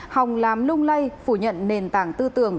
hồng lám lung lay phủ nhận nền tảng tư tưởng